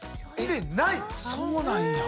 そうなんや。